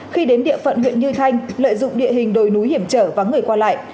khi đến địa phận huyện như thanh lợi dụng địa hình đồi núi hiểm trở vắng người qua lại